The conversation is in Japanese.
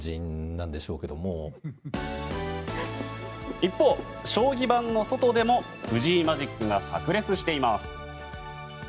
一方、将棋盤の外でも藤井マジックが炸裂しています。